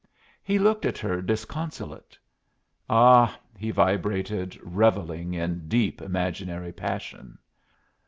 He looked at her disconsolate. "Ah!" he vibrated, revelling in deep imaginary passion.